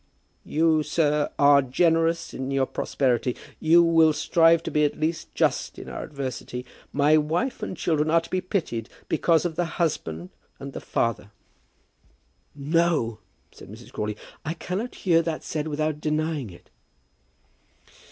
"You, sir, are generous in your prosperity. We will strive to be at least just in our adversity. My wife and children are to be pitied, because of the husband and the father." "No!" said Mrs. Crawley. "I will not hear that said without denying it."